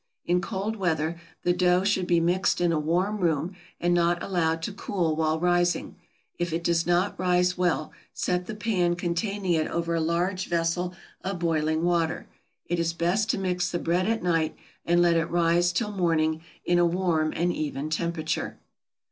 In cold weather, the dough should be mixed in a warm room, and not allowed to cool while rising; if it does not rise well, set the pan containing it over a large vessel of boiling water; it is best to mix the bread at night, and let it rise till morning, in a warm and even temperature.